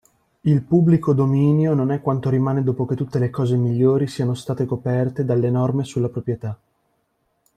Il pubblico dominio non è quanto rimane dopo che tutte le cose migliori siano state coperte dalle norme sulla proprietà.